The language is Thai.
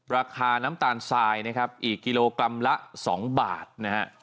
ราคาน้ำตาลทรายนะครับอีกกิโลกรัมละ๒บาทนะฮะ